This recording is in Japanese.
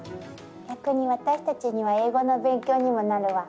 逆に私たちには英語の勉強にもなるわ。